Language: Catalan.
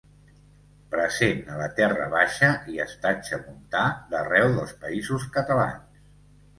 Present a la terra Baixa i estatge montà d'arreu dels Països Catalans.